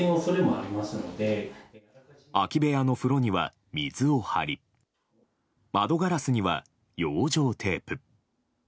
空き部屋の風呂には水を張り窓ガラスには養生テープ。